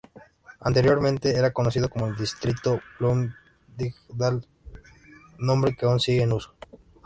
Anteriormente era conocido como el Distrito Bloomingdale, nombre que aún sigue en uso.